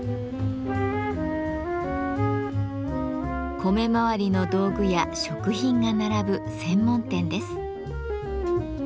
米まわりの道具や食品が並ぶ専門店です。